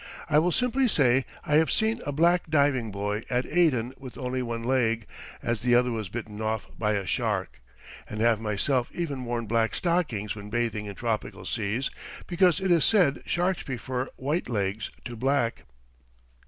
I will simply say I have seen a black diving boy at Aden with only one leg, as the other was bitten off by a shark, and have myself even worn black stockings when bathing in tropical seas because it is said sharks prefer white legs to black.